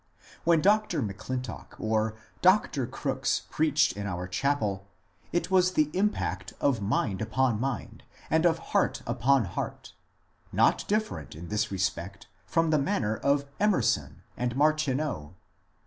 When Dr. M'Clintock or Dr. Crooks preached in our chapel, it was the impact of mind upon mind, and of heart upon heart, not different in this respect from the manner of Emerson and Martineau.